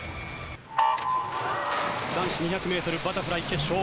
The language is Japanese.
男子２００メートルバタフライ決勝。